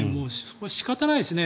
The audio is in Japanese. これは仕方ないですね